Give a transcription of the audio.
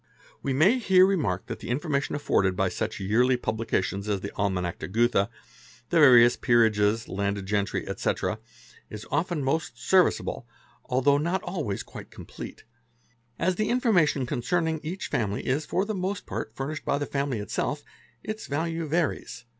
We may here remark that information afforded by such yearly publications as the Almanach de Gotha, the various Peerages, Landed — Gentry, etc., is often most serviceable, though not always quite complete. As the information concerning each family is for the most part furnished — by the family itself, its value varies.